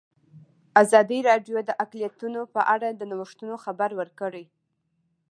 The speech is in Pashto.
ازادي راډیو د اقلیتونه په اړه د نوښتونو خبر ورکړی.